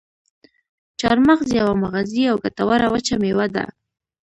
چارمغز یوه مغذي او ګټوره وچه میوه ده.